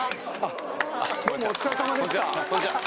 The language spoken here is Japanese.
どうもお疲れさまでした。